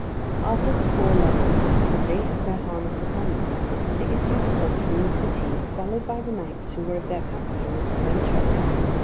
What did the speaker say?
After the four lovers had laced their harness upon them, they issued forth from the city, followed by the knights who were of their company in this adventure.